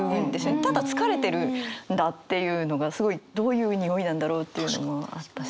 ただ疲れてるんだっていうのがすごいどういう匂いなんだろうっていうのもあったし。